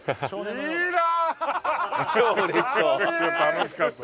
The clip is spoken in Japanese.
楽しかった。